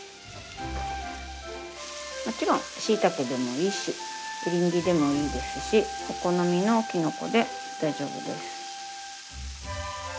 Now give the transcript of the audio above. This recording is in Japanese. もちろんしいたけでもいいしエリンギでもいいですしお好みのきのこで大丈夫です。